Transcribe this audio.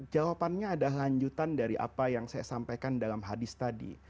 jawabannya adalah lanjutan dari apa yang saya sampaikan dalam hadis tadi